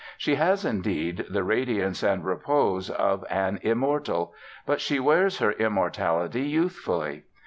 She has, indeed, the radiance and repose of an immortal; but she wears her immortality youthfully.